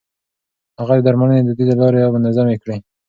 هغه د درملنې دوديزې لارې منظمې کړې.